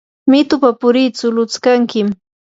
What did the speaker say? mitupa puritsu lutskankiymi.